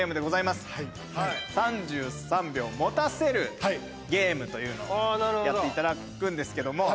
３３秒持たせるゲームをやっていただくんですけども。